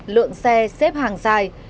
lượng xe xếp hàng dài